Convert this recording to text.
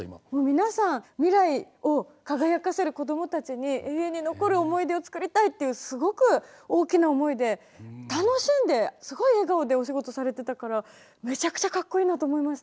皆さん未来を輝かせるこどもたちに永遠に残る思い出を作りたいっていうすごく大きな思いで楽しんですごい笑顔でお仕事されてたからめちゃくちゃかっこいいなと思いました。